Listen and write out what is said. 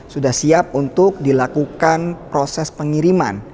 sudah siap untuk dilakukan proses pengiriman